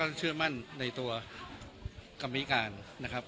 เชื่อมั่นในตัวกรรมนิการนะครับ